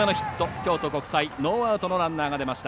京都国際、ノーアウトのランナーが出ました。